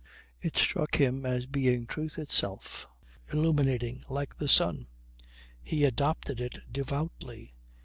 It struck him as being truth itself illuminating like the sun. He adopted it devoutly.